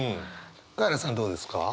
カエラさんどうですか？